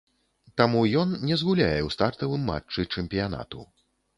Таму ён не згуляе ў стартавым матчы чэмпіянату.